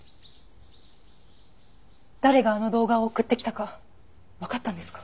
誰があの動画を送ってきたかわかったんですか？